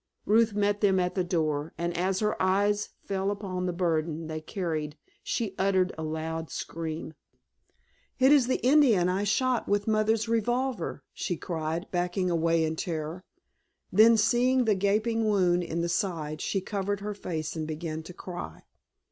Ruth met them at the door, and as her eyes fell upon the burden they carried she uttered a loud scream. "It is the Indian I shot with Mother's revolver!" she cried, backing away in terror. Then seeing the gaping wound in the side she covered her face and began to cry.